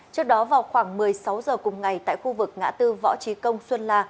trước đó vào khoảng một mươi sáu h cùng ngày tại khu vực ngã tư võ trí công xuân la